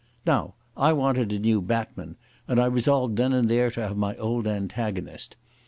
Now I wanted a new batman, and I resolved then and there to have my old antagonist.